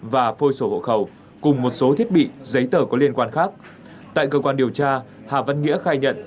và phôi sổ hộ khẩu cùng một số thiết bị giấy tờ có liên quan khác tại cơ quan điều tra hà văn nghĩa khai nhận